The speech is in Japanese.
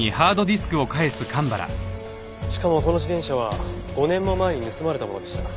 しかもこの自転車は５年も前に盗まれたものでした。